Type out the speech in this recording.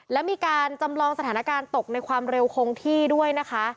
และมีการจำลองสถานการณ์ตกในความเร็วคงที่ด้วยนะคะ